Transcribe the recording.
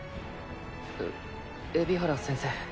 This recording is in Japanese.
え海老原先生